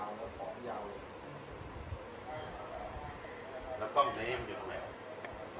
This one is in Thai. หลังจากนี้ก็ได้เห็นว่าหลังจากนี้ก็ได้เห็นว่า